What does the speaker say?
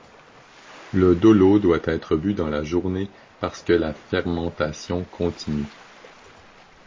Le dolo doit être bu dans la journée parce que la fermentation continue.